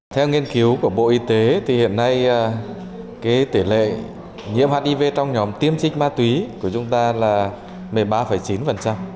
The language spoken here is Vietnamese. theo nghiên cứu của bộ y tế thì hiện nay tỷ lệ nhiễm hiv trong nhóm tiêm trích ma túy của chúng ta là một mươi ba chín